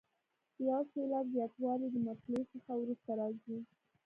د یو سېلاب زیاتوالی د مطلع څخه وروسته راځي.